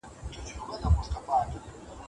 زه بايد کالي مينځم.